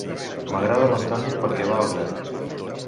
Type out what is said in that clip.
M'agrada l'Antonia perquè va al gra.